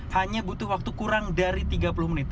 hanya butuh waktu kurang dari tiga puluh menit